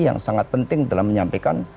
yang sangat penting dalam menyampaikan